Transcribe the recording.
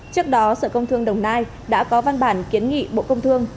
trước đó sở công thương đồng nai đã có văn bản kiến nghị bộ công thương